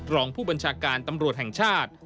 รองผู้บัญชาการตำรวจแห่งชาติ